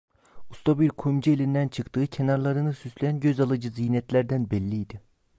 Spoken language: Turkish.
Usta bir kuyumcu elinden çıktığı, kenarlarını süsleyen göz alıcı ziynetlerden belliydi.